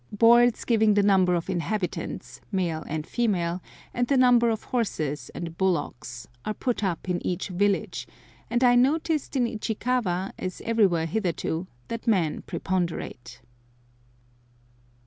Boards giving the number of inhabitants, male and female, and the number of horses and bullocks, are put up in each village, and I noticed in Ichikawa, as everywhere hitherto, that men preponderate.